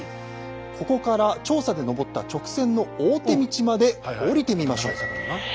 ここから調査でのぼった直線の大手道まで下りてみましょう。